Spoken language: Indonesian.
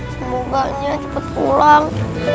semoganya cepet pulang